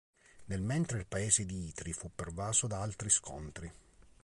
Nel mentre il paese di Itri fu pervaso da altri scontri.